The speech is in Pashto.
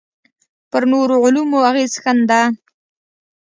پر نورو علومو اغېز ښنده.